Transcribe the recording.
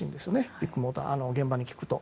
ビッグモーターの現場に聞くと。